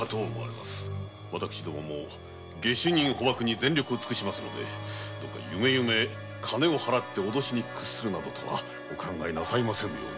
私どもが下手人捕縛に全力を尽くしますので金を払って脅しに屈するなどとはお考えなさらないで。